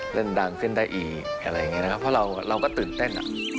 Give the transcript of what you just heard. ดังขึ้นได้อีกอะไรอย่างนี้นะครับเพราะเราก็ตื่นเต้นอ่ะ